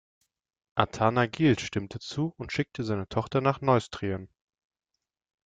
Athanagild stimmte zu und schickte seine Tochter nach Neustrien.